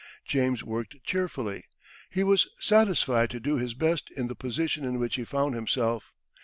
James worked cheerfully; he was satisfied to do his best in the position in which he found himself.